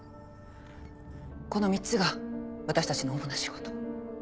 この３つが私たちの主な仕事。